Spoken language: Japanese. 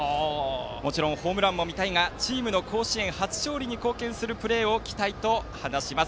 もちろんホームランも見たいがチームの甲子園初勝利に貢献するプレーに期待と話します。